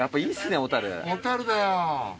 小樽だよ。